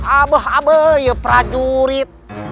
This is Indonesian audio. abo abo ya prajurit